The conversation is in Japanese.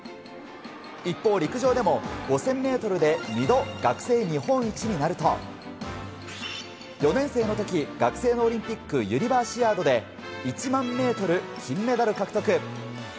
一方、陸上でも５０００ｍで２度、学生日本一になると４年生の時、学生のオリンピック、ユニバーシアードで１００００ｍ金メダルを獲得。